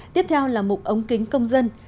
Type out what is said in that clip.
tiếp theo là mục ống kính công dân